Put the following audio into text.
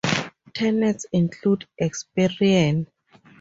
Tenants include Experian.